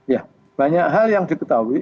ya banyak hal yang diketahui